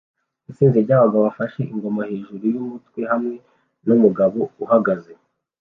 Itsinda ryabagabo bafashe ingoma hejuru yumutwe hamwe numugabo uhagaze